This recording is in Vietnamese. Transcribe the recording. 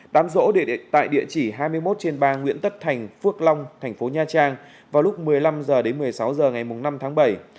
tám rỗ tại địa chỉ hai mươi một trên ba nguyễn tất thành phước long tp nha trang vào lúc một mươi năm h một mươi sáu h ngày năm bảy